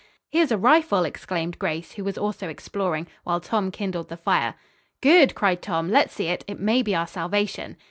"Here's a rifle," exclaimed Grace, who was also exploring, while Tom kindled the fire. "Good!" cried Tom. "Let's see it. It may be our salvation."